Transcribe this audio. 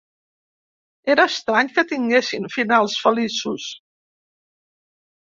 Era estrany que tinguessin finals feliços.